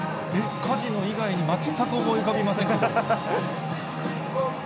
カジノ以外に全く思い浮かびませんけど。